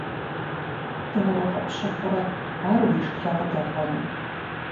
Дауэ къыпщыхъурэ ар уи жылэ къыдэхъуэну.